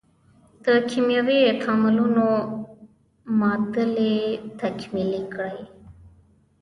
د کیمیاوي تعاملونو معادلې تکمیلې کړئ.